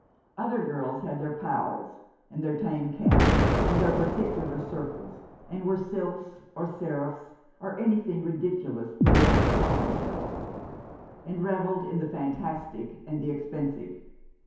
Other girls had their " pals "* and their tame cats, and their particular circles, and were Sylphs, or Seraphs, or anything ridicu lous they liked to call themselves — and revelled in the fantastic and the expensive.